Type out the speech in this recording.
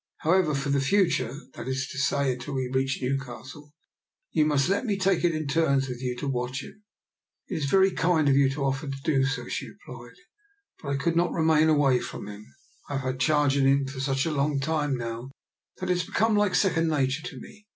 However, for the future — that is to say, until we reach Newcastle — ^you must let me take it in turns with you to watch him." " It is very kind of you to offer to do so," she replied, but I could not remain away from him. I have had charge of him for such a long time now that it has become like second nature to me.